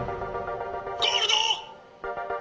「ゴールド！」。